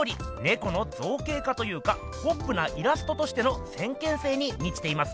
ネコの造形化というかポップなイラストとしての先見性にみちていますね。